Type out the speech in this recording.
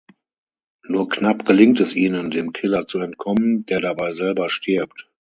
Nur knapp gelingt es ihnen, dem Killer zu entkommen, der dabei selber stirbt.